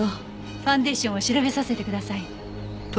ファンデーションを調べさせてください。